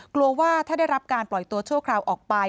กลัวว่าถ้าได้รับการปล่อยตัวชั่วคราวออกไป